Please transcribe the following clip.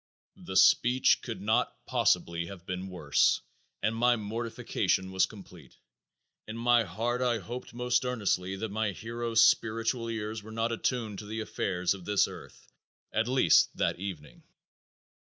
The speech could not possibly have been worse and my mortification was complete. In my heart I hoped most earnestly that my hero's spiritual ears were not attuned to the affairs of this earth, at least that evening.